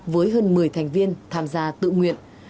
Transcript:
với hơn một mươi thành viên tham gia tự nguyện